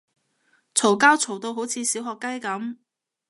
嘈交嘈到好似小學雞噉